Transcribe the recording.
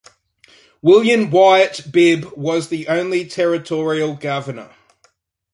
William Wyatt Bibb was the only territorial governor.